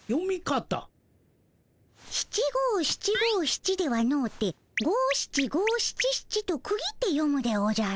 七五七五七ではのうて五七五七七と区切って読むでおじゃる。